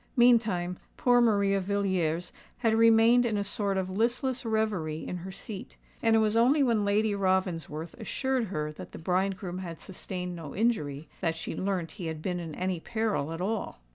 Meantime, poor Maria Villiers had remained in a sort of listless reverie in her seat; and it was only when Lady Ravensworth assured her that the bridegroom had sustained no injury, that she learnt he had been in any peril at all.